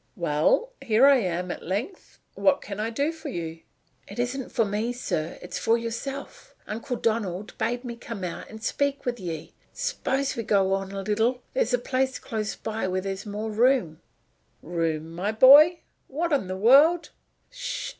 "Well, here I am, at length. What can I do for you?" "It isn't for me, sir. It is for yourself. Uncle Donald bade me come out and speak with ye. Wait a bit. S'pose we go on a little. There's a place close by where there's more room." "Room, my boy! What in the world " "Sh!